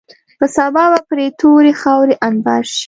په سبا به پرې تورې خاورې انبار شي.